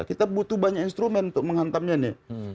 kita butuh banyak instrumen untuk menghantamnya nih